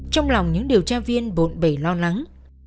trong lòng những điều tra viên bộn bẩy lo lắng